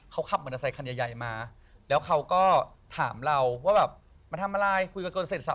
เขาขับมอเตอร์ไซคันใหญ่มาแล้วเขาก็ถามเราว่าแบบมาทำอะไรคุยกับเกินเสร็จสับ